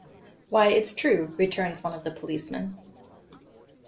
"Why, it's true," returns one of the policemen.